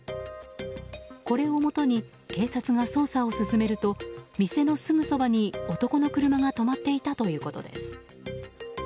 これをもとに警察が捜査を進めると店のすぐそばに男の車が止まっていたということです。